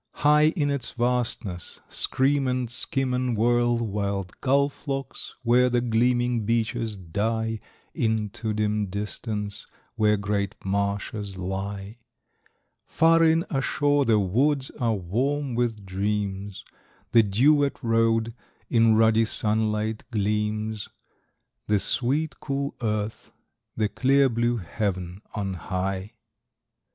High in its vastness scream and skim and whirl White gull flocks where the gleaming beaches die Into dim distance, where great marshes lie. Far in ashore the woods are warm with dreams, The dew wet road in ruddy sunlight gleams, The sweet, cool earth, the clear blue heaven on high.